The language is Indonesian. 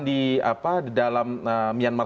di apa di dalam myanmar